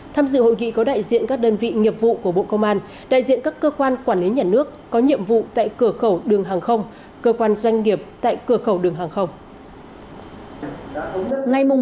tham dự hội nghị có đại diện các đơn vị nghiệp vụ của bộ công an đại diện các cơ quan quản lý nhà nước có nhiệm vụ tại cửa khẩu đường hàng không cơ quan doanh nghiệp tại cửa khẩu đường hàng không